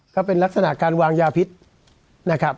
ก็เป็นลักษณะการวางยาพิษนะครับ